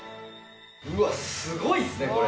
うわっすごいっすねこれ。